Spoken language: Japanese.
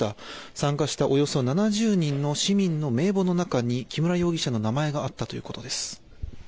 参加した、およそ７０人の市民の名簿の中に木村容疑者の名前があったということです。